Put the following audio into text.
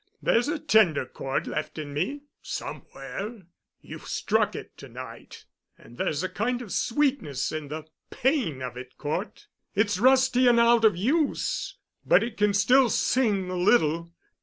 There's a tender chord left in me somewhere. You've struck it to night, and there's a kind of sweetness in the pain of it, Cort. It's rusty and out of use, but it can still sing a little."